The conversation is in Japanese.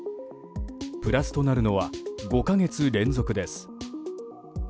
プラスとなるのは５か月連続です。